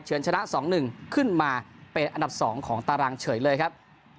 ชนะ๒๑ขึ้นมาเป็นอันดับ๒ของตารางเฉยเลยครับ